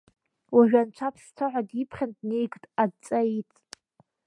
Уажә Анцәа Аԥсцәаҳа диԥхьан днеигт, адҵа ииҭт…